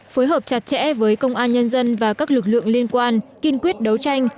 phối hợp chặt chẽ với công an nhân dân và các lực lượng liên quan kiên quyết đấu tranh